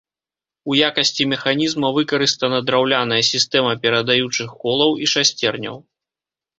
У якасці механізма выкарыстана драўляная сістэма перадаючых колаў і шасцерняў.